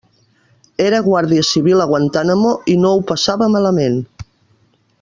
Era guàrdia civil a Guantánamo i no ho passava malament.